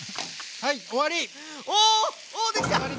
はい終わり！